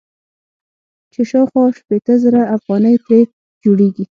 چې شاوخوا شپېته زره افغانۍ ترې جوړيږي.